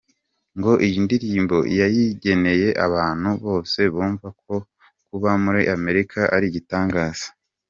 Ngo iyi ndirimbo yayigeneye abantu bose bumva ko kuba muri Amerika ari igitangaza.